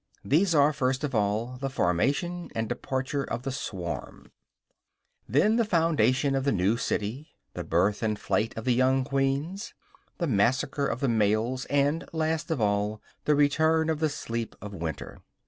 These are, first of all, the formation and departure of the swarm; then, the foundation of the new city, the birth and flight of the young queens, the massacre of the males, and, last of all, the return of the sleep of winter.